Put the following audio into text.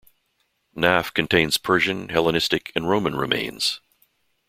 Nahf contains Persian, Hellenistic and Roman remains.